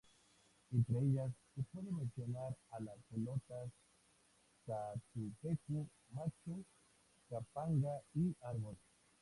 Entre ellas se puede mencionar a Las Pelotas, Catupecu Machu, Kapanga y Árbol.